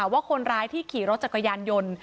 ว่าคนร้ายที่ขี่รถจักรยานยนต์